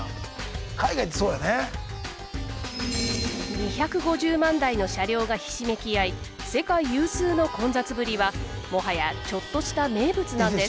２５０万台の車両がひしめき合い世界有数の混雑ぶりはもはやちょっとした名物なんです。